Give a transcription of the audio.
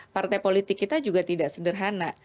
partai politik kita juga tidak sederhana